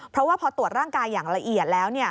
เพราะว่าพอตรวจร่างกายอย่างละเอียดแล้ว